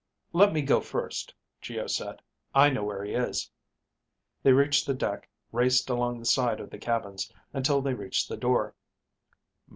"Let me go first," Geo said, "I know where he is." They reached the deck, raced along the side of the cabins, until they reached the door.